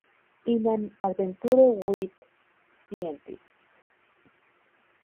In an Adventure with Scientists".